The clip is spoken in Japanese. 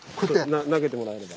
投げてもらえれば。